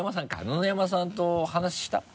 野々山さんと話した？